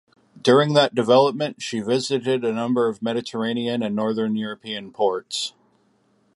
During that deployment, she visited a number of Mediterranean and Northern European ports.